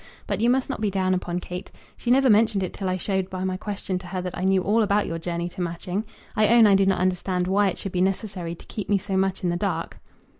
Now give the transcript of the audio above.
But you must not be down upon Kate. She never mentioned it till I showed by my question to her that I knew all about your journey to Matching. I own I do not understand why it should be necessary to keep me so much in the dark."